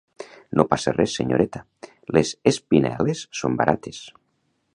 No passa res senyoreta, les espinel·les són barates.